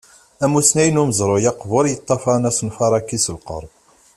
Amusnaw n umezruy aqbur yeṭṭafaṛen asenfar-agi s lqerb.